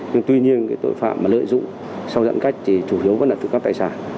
nhưng tuy nhiên tội phạm lợi dụng sau giãn cách thì chủ yếu vẫn là trộm cắp tài sản